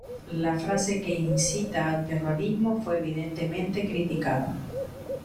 La frase que incita al terrorismo fue evidentemente criticada.